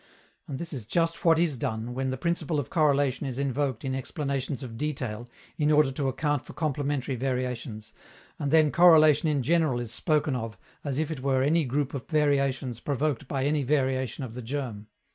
And this is just what is done when the principle of correlation is invoked in explanations of detail in order to account for complementary variations, and then correlation in general is spoken of as if it were any group of variations provoked by any variation of the germ.